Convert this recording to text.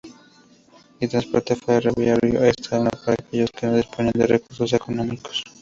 El transporte ferroviario era para aquellos que no disponían de recursos económicos.